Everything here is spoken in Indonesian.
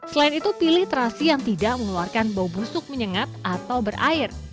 selain itu pilih terasi yang tidak mengeluarkan bau busuk menyengat atau berair